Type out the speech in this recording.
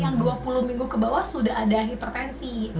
yang dua puluh minggu ke bawah sudah ada hipertensi